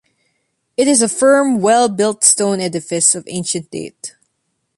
It is a firm, well built stone edifice of ancient date.